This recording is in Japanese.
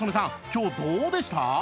今日どうでした？